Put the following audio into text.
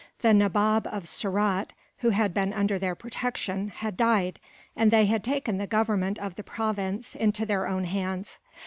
The Nabob of Surat, who had been under their protection, had died; and they had taken the government of the province into their own hands.